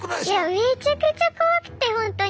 めちゃくちゃ怖くてほんとに。